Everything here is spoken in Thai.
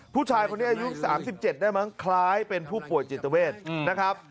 ผู้ชายคนนี้อายุ๓๗ได้มั้งคล้ายเป็นผู้ป่วยจิตเวทนะครับ